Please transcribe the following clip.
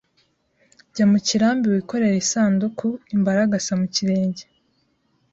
Jya mu kirambi wikorere isandukuImbaragasa mu kirenge